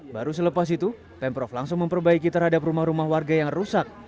baru selepas itu pemprov langsung memperbaiki terhadap rumah rumah warga yang rusak